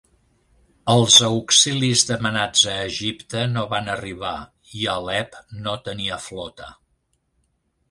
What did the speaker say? Els auxilis demanats a Egipte no van arribar i Alep no tenia flota.